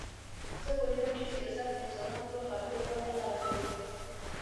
زه پوهېدم چې سیاست انسانان په خبرو باندې غلطوي